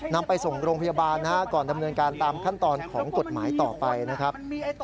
นำไปส่งโรงพยาบาลก่อนดำเนินการตามขั้นตอนของกฎหมายต่อไปนะครับ